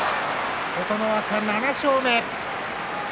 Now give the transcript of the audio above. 琴ノ若、７勝目。